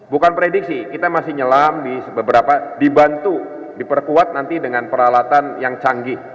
bukan prediksi kita masih nyelam dibantu diperkuat nanti dengan peralatan yang canggih